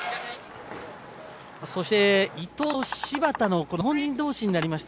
そして伊藤と芝田のこの日本人同士になりました